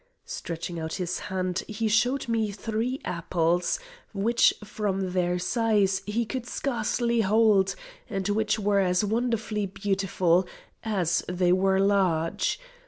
stretching out his hand, he showed me three apples, which from their size he could scarcely hold, and which were as wonderfully beautiful as they were large.